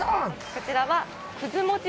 こちらは。